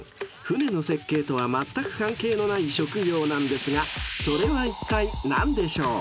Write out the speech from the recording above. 船の設計とはまったく関係のない職業なんですがそれはいったい何でしょう？］